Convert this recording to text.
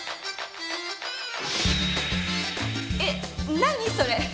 えっ何それ？